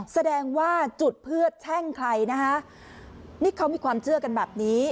แสดงว่าจุดเพื่อแช่งใครนะคะนี่เขามีความเชื่อกันแบบนี้